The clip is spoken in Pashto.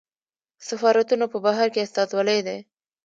سفارتونه په بهر کې استازولۍ دي